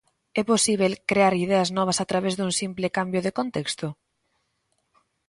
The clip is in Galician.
É posíbel crear ideas novas a través dun simple cambio de contexto?